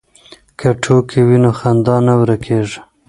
که ټوکې وي نو خندا نه ورکېږي.